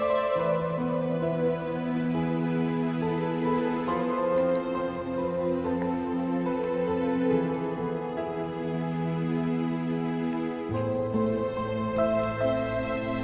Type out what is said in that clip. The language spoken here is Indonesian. tapi kita harus mencari tempat yang lebih baik